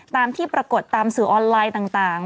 ตามที่ปรากฏตามสื่อออนไลน์ต่าง